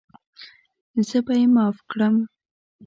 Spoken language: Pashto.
زه به یې معاف کړم.